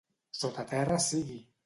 Sota terra sigui!